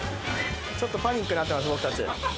ちょっとパニックになってます僕たち。